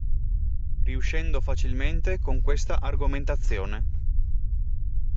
Riuscendo facilmente con questa argomentazione.